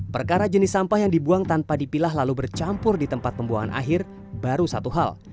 perkara jenis sampah yang dibuang tanpa dipilah lalu bercampur di tempat pembuangan akhir baru satu hal